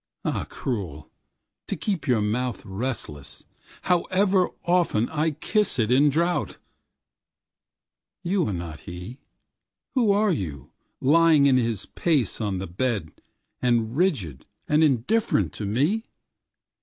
Ah cruel, to keep your mouthRelentless, however oftenI kiss it in drouth. You are not he. Who are you, lying in his place on the bedAnd rigid and indifferent to me?